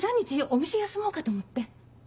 お店休もうかと思って。